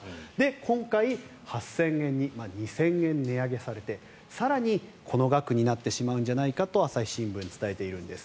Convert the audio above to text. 今回、８０００円に２０００円値上げされて更に、この額になってしまうんじゃないかと朝日新聞は伝えているんです。